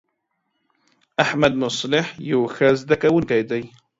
احمدمصلح یو ښه زده کوونکی دی.